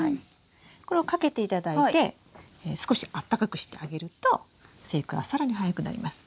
これをかけていただいて少しあったかくしてあげると生育は更に早くなります。